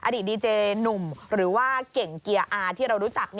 อดีตดีเจหนุ่มหรือว่าเก่งเกียร์อาที่เรารู้จัก